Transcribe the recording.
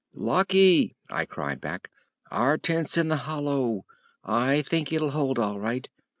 "Lucky," I cried back, "our tent's in the hollow. I think it'll hold all right."